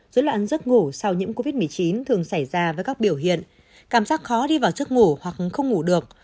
dối loạn giấc ngủ sau nhiễm covid một mươi chín thường xảy ra với các biểu hiện cảm giác khó đi vào giấc ngủ hoặc không ngủ được